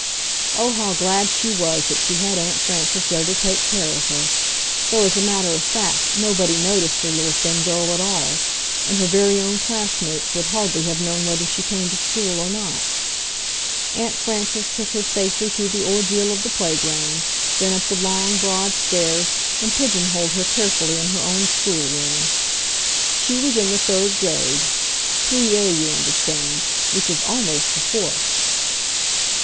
Oh, how glad she was that she had Aunt Frances there to take care of her, though as a matter of fact nobody noticed the little thin girl at all, and her very own classmates would hardly have known whether she came to school or not. Aunt Frances took her safely through the ordeal of the playground, then up the long, broad stairs, and pigeonholed her carefully in her own schoolroom. She was in the third grade,—3A, you understand, which is almost the fourth.